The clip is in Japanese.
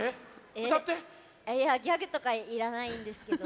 あっいやギャグとかいらないんですけど。